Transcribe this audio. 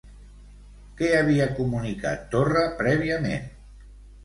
Què havia comunicat Torra prèviament?